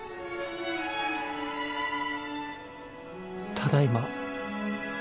ただいま。